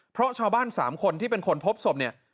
เพราะชาวบ้าน๓คนที่เป็นคนพบศพเนี่ย